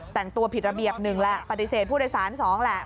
แต่งตัวผิดระเบียบหนึ่งแหละปฏิเสธผู้โดยสาร๒แหละ